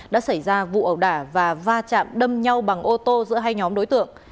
đã xảy ra vụ ẩu đả và va chạm đâm nhau bằng ô tô giữa hai nhóm đối tượng